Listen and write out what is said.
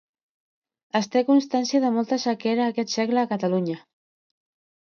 Es té constància de molta sequera a aquest segle a Catalunya.